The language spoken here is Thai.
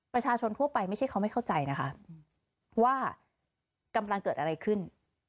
ประชาชนทั่วไปไม่ใช่เขาไม่เข้าใจนะคะว่ากำลังเกิดอะไรขึ้น